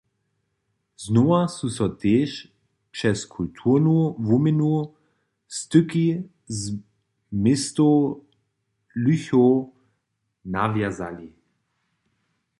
Znowa su so tež přez kulturnu wuměnu styki z městom Lüchow nawjazali.